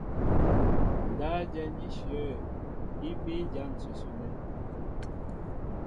Ndáp jɛ̌n íshyə̂ í bíí ján ǹsʉsʉ nɛ́.